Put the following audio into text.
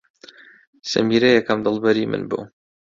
سەمیرە یەکەم دڵبەری من بوو.